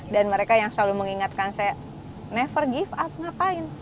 dan mereka yang selalu mengingatkan saya never give up ngapain